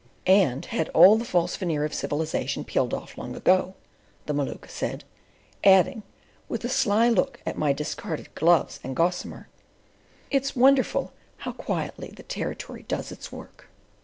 "And had all the false veneer of civilisation peeled off long ago," the Maluka said, adding, with a sly look at my discarded gloves and gossamer, "It's wonderful how quietly the Territory does its work."